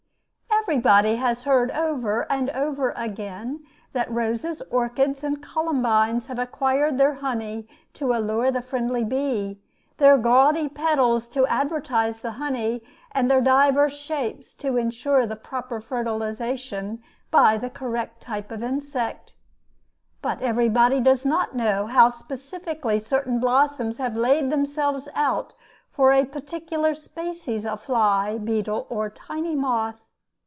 Everybody has heard over and over again that roses, orchids, and columbines have acquired their honey to allure the friendly bee, their gaudy petals to advertise the honey, and their divers shapes to insure the proper fertilization by the correct type of insect. But everybody does not know how specifically certain blossoms have laid themselves out for a particular species of fly, beetle, or tiny moth.